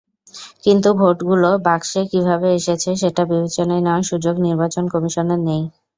কিন্তু ভোটগুলো বাক্সে কীভাবে এসেছে সেটা বিবেচনায় নেওয়ার সুযোগ নির্বাচন কমিশনের নেই।